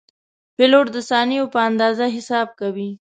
پیلوټ د ثانیو په اندازه حساب کوي.